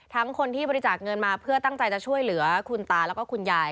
คนที่บริจาคเงินมาเพื่อตั้งใจจะช่วยเหลือคุณตาแล้วก็คุณยาย